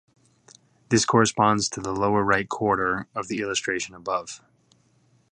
This corresponds to the lower-right quarter of the illustration above.